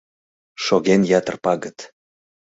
Шоген ятыр пагыт.